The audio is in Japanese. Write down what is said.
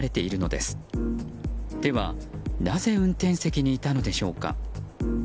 では、なぜ運転席にいたのでしょうか。